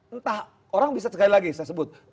entah orang bisa sekali lagi saya sebut